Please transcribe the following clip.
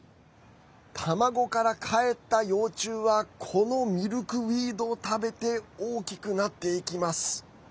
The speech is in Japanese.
卵からかえった幼虫はこのミルクウィードを食べて大きくなっていきます。